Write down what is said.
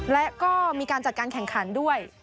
และก็มีการจัดการแข่งขันด้วย